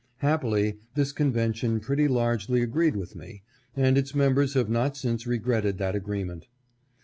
Happily this convention pretty largely agreed with me, and its mem bers have not since regretted that agreement.